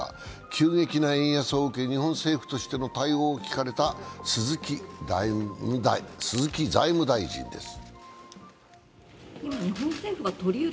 急激な円安を受け日本政府としての対応を聞かれた鈴木財務大臣です。